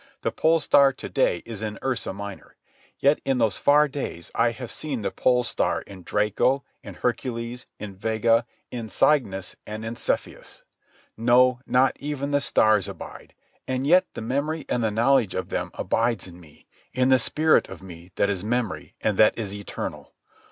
The pole star to day is in Ursa Minor. Yet, in those far days I have seen the pole star in Draco, in Hercules, in Vega, in Cygnus, and in Cepheus. No; not even the stars abide, and yet the memory and the knowledge of them abides in me, in the spirit of me that is memory and that is eternal.